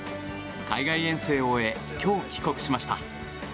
海外遠征を終え今日、帰国しました。